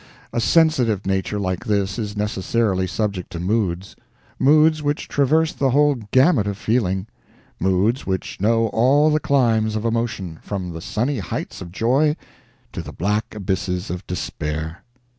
A sensitive nature like this is necessarily subject to moods; moods which traverse the whole gamut of feeling; moods which know all the climes of emotion, from the sunny heights of joy to the black abysses of despair.